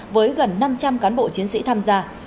với gần năm trăm linh cán bộ chiến sĩ tham gia